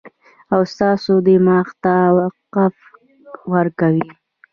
او ستاسو دماغ ته وقفه ورکوي